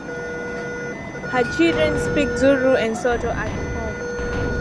Her children speak Zulu and Sotho at home.